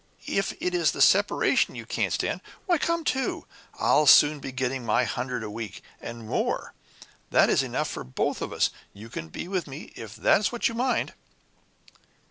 If it is the separation you can't stand why come, too! I'll soon enough be getting my hundred a week, and more. That is enough for both of us. You can be with me, if that is what you mind!"